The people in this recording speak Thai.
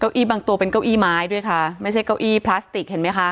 เก้าอี้บางตัวเป็นเก้าอี้ไม้ด้วยค่ะไม่ใช่เก้าอี้พลาสติกเห็นไหมคะ